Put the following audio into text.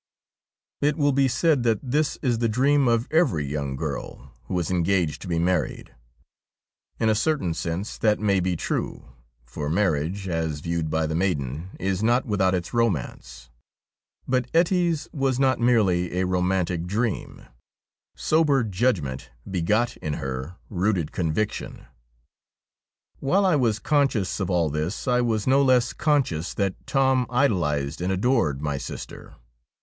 It will be said that this is the dream of every young girl who is engaged to be married. In a certain sense that may be true, for marriage, as viewed by the maiden, is not without its romance. But Ettie' s was not merely a romantic dream ; sober judgment begot in her rooted conviction. "While I was conscious of all this I was no less conscious that Tom idolised and adored my sister.